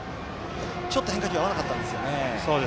ちょっと変化球合わなかったんですよね。